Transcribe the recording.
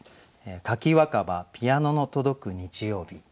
「柿若葉ピアノのとどく日曜日」。